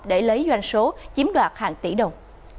để lấy doanh số chiếm đoạt hàng tỷ đồng